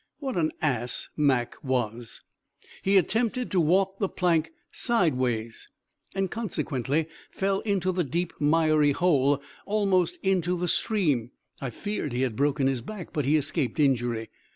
What an ass Mac was! He attempted to walk the planks sideways, and consequently fell into the deep miry hole, almost into the stream. I feared he had broken his back, but he escaped injury.